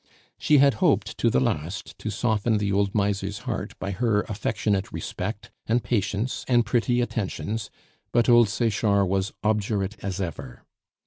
She had hoped to the last to soften the old miser's heart by her affectionate respect, and patience, and pretty attentions; but old Sechard was obdurate as ever.